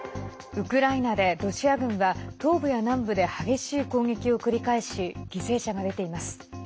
ウクライナでロシア軍は東部や南部で激しい攻撃を繰り返し犠牲者が出ています。